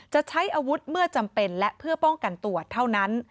จะใช้อาวุธเมื่อจำเป็นและเพื่อป้องกันตัวเท่านั้น